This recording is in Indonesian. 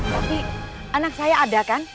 tapi anak saya ada kan